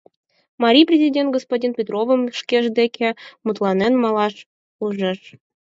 — Марий президент господин Петровым шкеж деке мутланен налаш ӱжеш.